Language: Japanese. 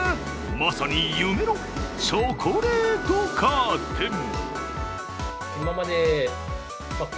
まさに夢のチョコレートカーテン。